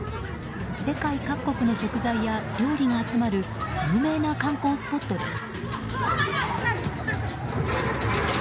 世界各国の食材や料理が集まる有名な観光スポットです。